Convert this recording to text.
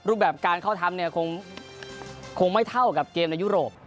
รูปแบบการเข้าทำเนี่ยคงไม่เท่ากับเกมในยุโรป